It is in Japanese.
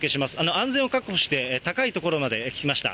安全を確保して高い所まで来ました。